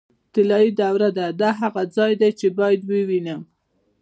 طلایي دروازه ده، دا هغه ځای دی چې باید یې ووینم.